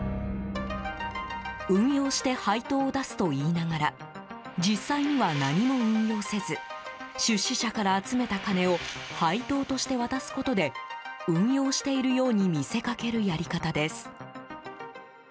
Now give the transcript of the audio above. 運用して配当を出すと言いながら実際には何も運用せず出資者から集めた金を配当として渡すことで運用しているように見せかけるやり方です。